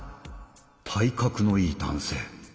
体格のいい男性。